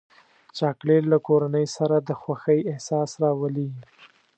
چاکلېټ له کورنۍ سره د خوښۍ احساس راولي.